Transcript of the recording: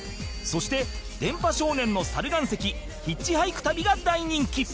そして『電波少年』の猿岩石ヒッチハイク旅が大人気